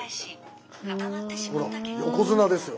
ほら横綱ですよ。